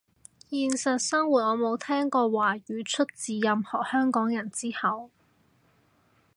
現實生活我冇聽過華語出自任何香港人之口